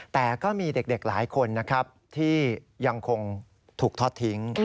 แต่ก็มีเด็กหลายคนนะครับที่ยังคงถูกทอดทิ้ง